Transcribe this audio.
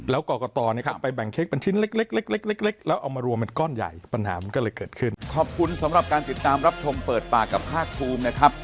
แล้วก่อก่อต่อไปแบ่งเข้กเป็นชิ้นเล็ก